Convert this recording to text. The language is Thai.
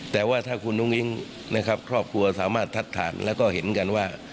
แต่ว่าถ้าคุณอุ้งอิงนะครับครอบครัวสามารถทัดฐานแล้วก็เห็นกันว่า